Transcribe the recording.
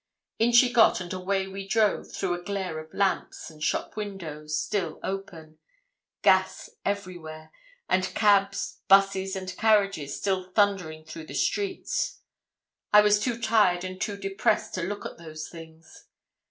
In she got, and away we drove through a glare of lamps, and shop windows, still open; gas everywhere, and cabs, busses, and carriages, still thundering through the streets. I was too tired and too depressed to look at those things.